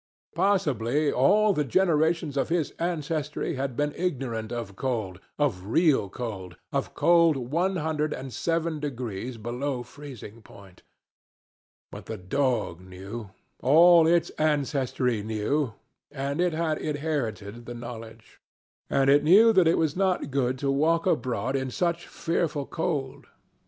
Possibly all the generations of his ancestry had been ignorant of cold, of real cold, of cold one hundred and seven degrees below freezing point. But the dog knew; all its ancestry knew, and it had inherited the knowledge. And it knew that it was not good to walk abroad in such fearful cold.